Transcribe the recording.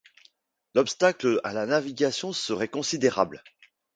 L'obstacle à la navigation serait considérable.